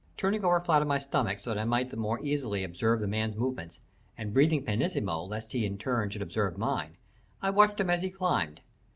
Turning over flat on my stomach so that I might the more readily observe the man's movements, and breathing pianissimo lest he in turn should observe mine, I watched him as he climbed.